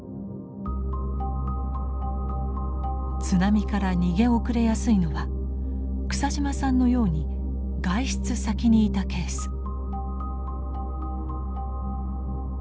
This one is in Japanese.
津波から逃げ遅れやすいのは草島さんのように外出先にいたケース。